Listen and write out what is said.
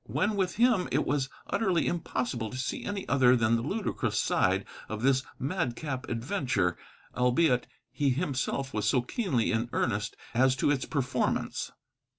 When with him it was utterly impossible to see any other than the ludicrous side of this madcap adventure, albeit he himself was so keenly in earnest as to its performance.